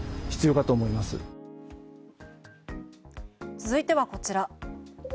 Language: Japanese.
続いてはこちら。